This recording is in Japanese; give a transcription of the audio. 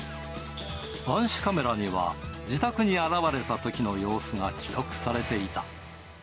暗視カメラには、自宅に現れたときの様子が記録されていた。